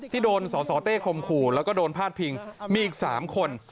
ที่โดนสสเต้คมขู่แล้วก็โดนพาดพิงมีอีก๓คน